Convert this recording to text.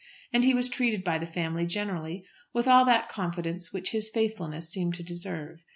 And he was treated by the family generally with all that confidence which his faithfulness seemed to deserve.